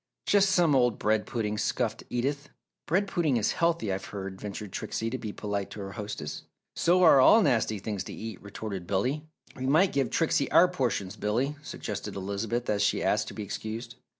"Just some old bread pudding!" scoffed Edith. "Bread pudding is healthy, I've heard," ventured Trixie to be polite to her hostess. "So are all nasty things to eat!" retorted Billy. "We might give Trixie our portions, Billy," suggested Elizabeth, as she asked to be excused.